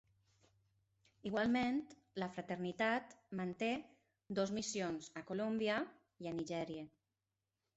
Igualment, la fraternitat manté dues missions a Colòmbia i a Nigèria.